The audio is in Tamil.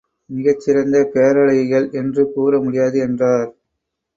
மிகச் சிறந்த பேரழகிகள் என்று கூறமுடியாது என்றார்.